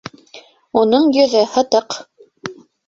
Уның йөҙө һытыҡ.